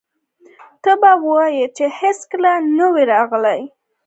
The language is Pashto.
ته به وایې چې هېڅکله نه و راغلي.